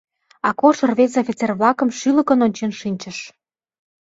Акош рвезе офицер-влакым шӱлыкын ончен шинчыш.